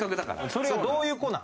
それどういう子なん？